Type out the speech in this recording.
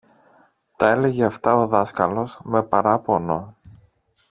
Τα έλεγε αυτά ο δάσκαλος με παράπονο